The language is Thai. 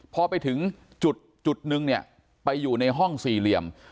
พอไปถึงจุดนึงเนี่ยไปอยู่ในห้องสี่เหลี่ยม